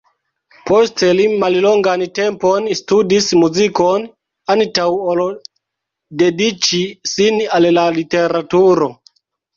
Poste li mallongan tempon studis muzikon, antaŭ ol dediĉi sin al la literaturo.